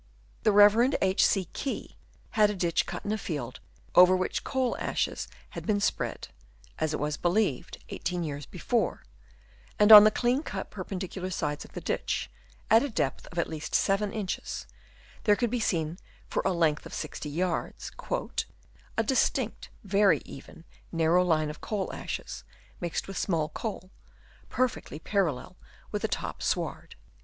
The Rev. H. C. Key had a ditch cut in a field, over which coal ashes had been spread, as it was believed, eighteen years before; and on the clean cut perpendicular sides of the ditch, at a depth of at least seven inches, there could be seen, for a length of 60 yards, " a distinct, very " even, narrow line of coal ashes, mixed with "small coal, perfectly parallel with the top " sward."